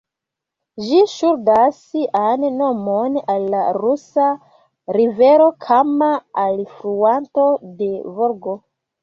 Ĝi ŝuldas sian nomon al la rusa rivero Kama, alfluanto de Volgo.